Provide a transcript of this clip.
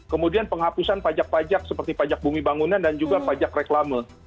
kemudian penghapusan pajak pajak seperti pajak bumi bangunan dan juga pajak reklame